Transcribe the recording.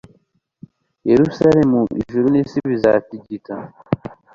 yerusalemu ijuru n'isi bizatigita